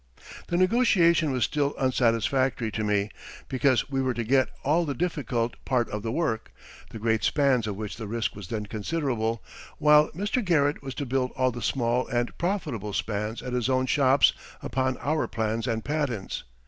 The negotiation was still unsatisfactory to me, because we were to get all the difficult part of the work the great spans of which the risk was then considerable while Mr. Garrett was to build all the small and profitable spans at his own shops upon our plans and patents.